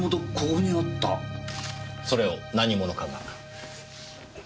それを何者かが。